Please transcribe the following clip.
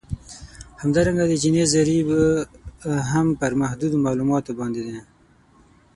همدارنګه د جیني ضریب هم پر محدودو معلوماتو باندې دی